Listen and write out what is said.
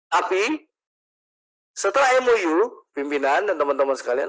tapi setelah mou pimpinan dan teman teman sekalian